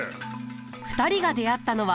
２人が出会ったのは。